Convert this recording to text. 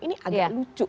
ini agak lucu